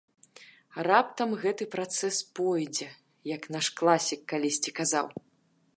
А раптам гэты працэс пойдзе, як наш класік калісьці казаў.